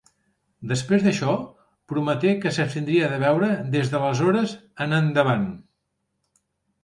Després d'això prometé que s'abstindria de beure des d'aleshores en endavant.